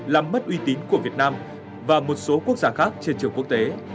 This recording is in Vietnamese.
làm mất uy tín của việt nam và một số quốc gia khác trên trường quốc tế